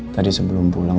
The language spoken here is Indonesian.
tadi sebelum pulang